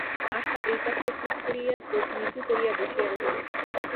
আশা এই কথায় চুপ করিয়া চোখ নিচু করিয়া বসিয়া রহিল।